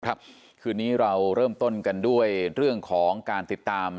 คืนนี้เราเริ่มต้นกันด้วยเรื่องของการติดตาม